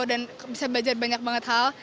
dan bisa belajar banyak banget hal